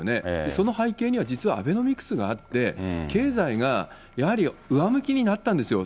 その背景には、実はアベノミクスがあって、経済がやはり上向きになったんですよ。